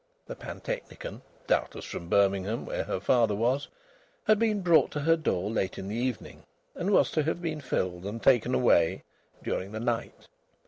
The pantechnicon (doubtless from Birmingham, where her father was) had been brought to her door late in the evening, and was to have been filled and taken away during the night.